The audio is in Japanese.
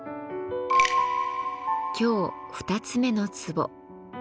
今日２つ目の壺